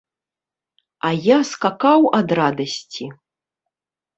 А я скакаў ад радасці.